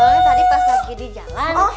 soalnya tadi pas lagi di jalan